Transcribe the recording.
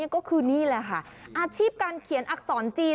ก็คือนี่แหละค่ะอาชีพการเขียนอักษรจีน